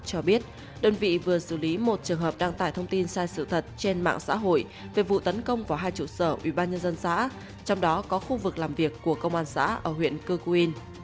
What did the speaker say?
cho biết đơn vị vừa xử lý một trường hợp đăng tải thông tin sai sự thật trên mạng xã hội về vụ tấn công vào hai trụ sở ubnd xã trong đó có khu vực làm việc của công an xã ở huyện cư quyên